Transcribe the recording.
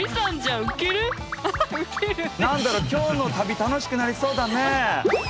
何だろ今日の旅楽しくなりそうだね。